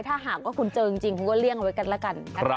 ถ้าคุณเจอจริงคุณก็เลี่ยงเอาไว้กันละกัน